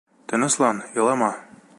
Тыныслан, илама!..